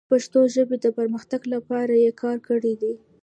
د پښتو ژبې د پرمختګ لپاره یې کار کړی دی.